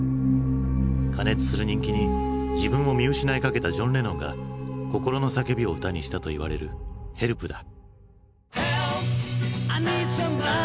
過熱する人気に自分を見失いかけたジョン・レノンが心の叫びを歌にしたといわれる「ヘルプ！」だ。